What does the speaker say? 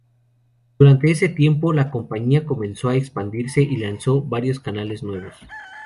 Durante ese tiempo, la compañía comenzó a expandirse y lanzó varias canales nuevos.